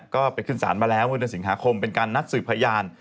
ก็ไปขึ้นศาลมาแล้วเมื่อเดือนสิงหาคมเป็นการนัดสืบพยาน